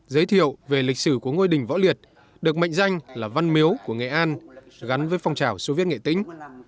giới thiệu về lịch sử của ngôi đình võ liệt được mệnh danh là văn miếu của nghệ an gắn với phong trào soviet nghệ tĩnh